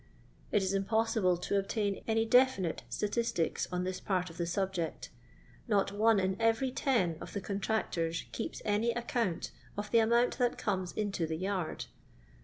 It is impossible to obtain any definite statistics on this part of the subject Not one in every tan ^ of the contractors keeps any account of the amount that comes into the "yard."